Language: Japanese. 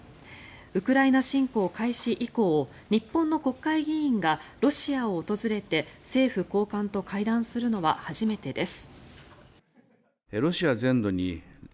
ウクライナ侵攻開始以降日本の国会議員がロシアを訪れて政府高官と会談するのは初めてです。